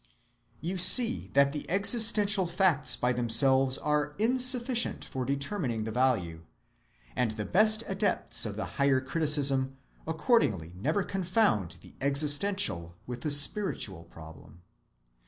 You see that the existential facts by themselves are insufficient for determining the value; and the best adepts of the higher criticism accordingly never confound the existential with the spiritual problem.